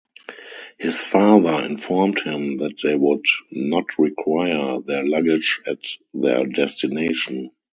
His father informed him that they would not require their luggage at their destination.